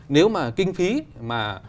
nếu mà kinh phí mà